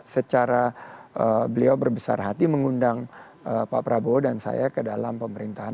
secara beliau berbesar hati mengundang pak prabowo dan saya ke dalam pemerintahan